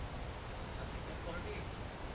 Saniga por vi.